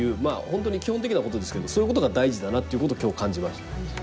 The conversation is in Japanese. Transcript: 本当に基本的なことですけどそういうことが大事だなっていうことを今日感じました。